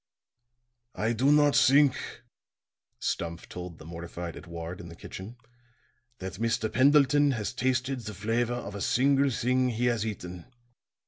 "I do not think," Stumph told the mortified Edouard in the kitchen, "that Mr. Pendleton has tasted the flavor of a single thing he has eaten.